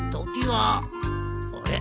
あれ？